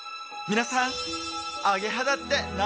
皆さん。